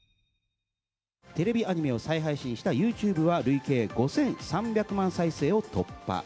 テレビアニメを再配信した、ユーチューブは累計５３００万再生を突破。